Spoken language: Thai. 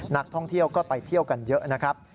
นักท่องเที่ยวก็ไปเที่ยวกันเยอะนะครับ